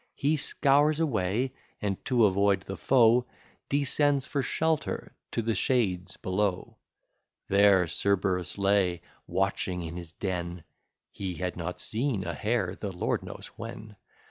He scours away; and, to avoid the foe, Descends for shelter to the shades below: There Cerberus lay watching in his den, (He had not seen a hare the lord knows when.)